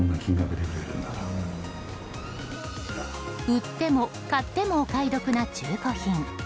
売っても買ってもお買い得な中古品。